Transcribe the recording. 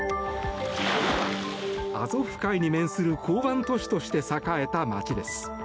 アゾフ海に面する港湾都市として栄えた街です。